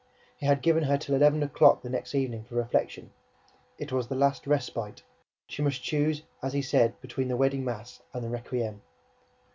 He had given her till eleven o'clock the next evening for reflection. It was the last respite. She must choose, as he said, between the wedding mass and the requiem.